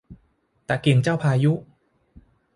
ตะเกียงเจ้าพายุ